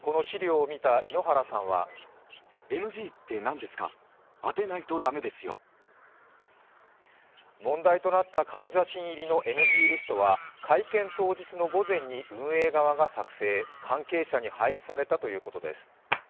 この資料を見た井ノ原さんは問題となった顔写真入りのＮＧリストは会見当日の午前に運営側が作成関係者に配布されたということです。